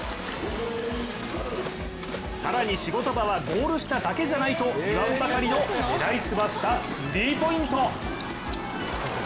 更に仕事場はゴール下だけじゃないと言わんばかりの狙い済ましたスリーポイント。